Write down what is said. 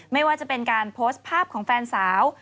ไม่ว่าจะเป็นการโพสต์ภาพของแฟนสาว